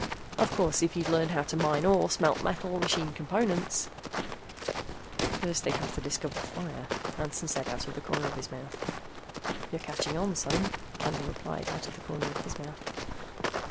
Of course, if you'd learn how to mine ore, smelt metal, machine components " "First they'd have to discover fire," Hansen said out of the corner of his mouth. "You're catching on, son," Candle said, out of the corner of his mouth.